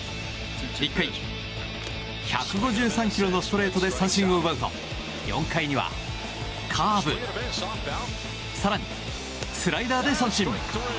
１回、１５３キロのストレートで三振を奪うと４回にはカーブ更にスライダーで三振。